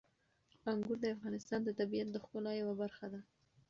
انګور د افغانستان د طبیعت د ښکلا یوه برخه ده.